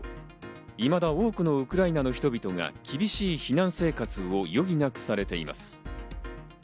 いまだ多くのウクライナの人々が厳しい避難生活を余儀なくされています。